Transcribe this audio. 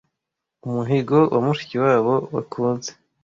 Umuhigo wa Mushikiwabo wakunze